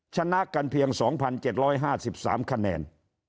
ชนะกันเพียง๒๗๕๓คะแนน